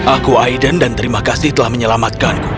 aku aiden dan terima kasih telah menyelamatkanku